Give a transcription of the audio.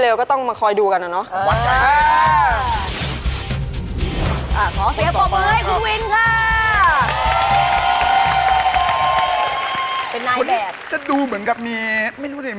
โอ้โฮตลงนี่อย่างเนิร์ดนี่อย่างไร